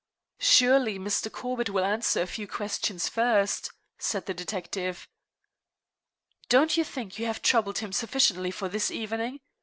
"Surely, Mr. Corbett will answer a few questions first," said the detective. "Don't you think you have troubled him sufficiently for this evening?